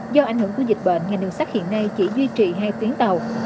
do ảnh hưởng của dịch bệnh ngành đường sắt hiện nay chỉ duy trì hai tuyến tàu